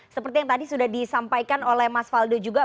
seperti yang tadi sudah disampaikan oleh mas faldo juga